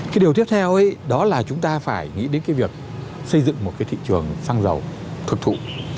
cái điều tiếp theo ấy đó là chúng ta phải nghĩ đến cái việc xây dựng một cái thị trường xăng dầu thực thụ